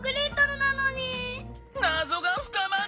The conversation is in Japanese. なぞがふかまる！